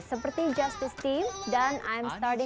seperti justice team dan i'm starting again